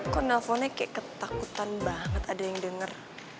kok nelfonnya kayak ketakutan banget ada yang denger